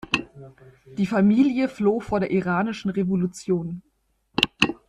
Die Familie floh vor der Iranischen Revolution.